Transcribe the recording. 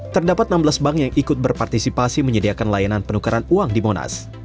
terdapat enam belas bank yang ikut berpartisipasi menyediakan layanan penukaran uang di monas